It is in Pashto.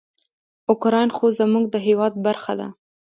اوکراین خو زموږ د هیواد برخه ده.